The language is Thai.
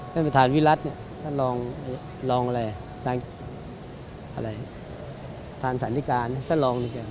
ท่านประธานวิรัตน์เนี่ยท่านลองอะไรท่านสถานการณ์เนี่ย